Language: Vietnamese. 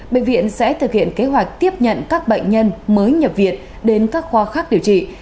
bệnh viện sẽ thực hiện kế hoạch tiếp nhận các bệnh nhân mới nhập viện đến các khoa khác điều trị